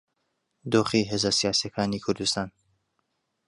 دۆخی هێزە سیاسییەکانی کوردستان